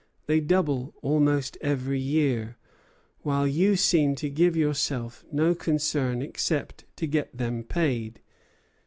They double almost every year, while you seem to give yourself no concern except to get them paid.